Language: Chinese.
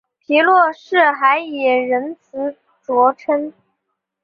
皮洛士还以仁慈着称。